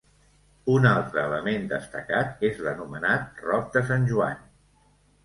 Un altre element destacat és l'anomenat Roc de Sant Joan.